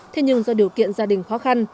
thế nhưng do điều kiện gia đình khó khăn